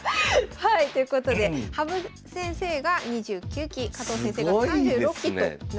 はいということで羽生先生が２９期加藤先生が３６期となります。